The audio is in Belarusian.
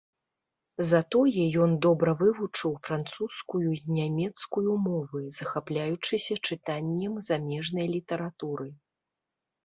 Затое ён добра вывучыў французскую і нямецкую мовы, захапляючыся чытаннем замежнай літаратуры.